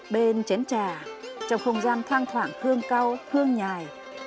bên chén trà trong không gian thoang thoảng hương cao hương nhài